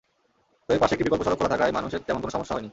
তবে পাশে একটি বিকল্প সড়ক খোলা থাকায় মানুষের তেমন কোনো সমস্যা হয়নি।